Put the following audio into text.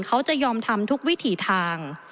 เขาจะยอมทำทุกวิถีทาง